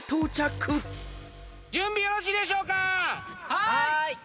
はい！